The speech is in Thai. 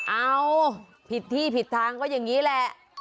เอาผิดที่ผิดทางก็อย่างนี้แหละ